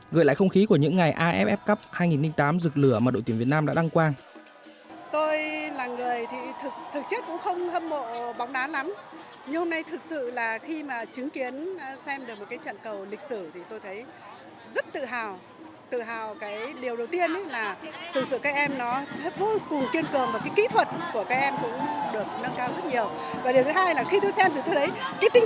gửi lại không khí của những ngày aff cup hai nghìn tám rực lửa mà đội tuyển việt nam đã đăng quang